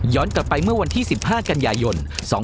ย้อนต่อไปเมื่อวันที่๑๕กันยายน๒๕๕๗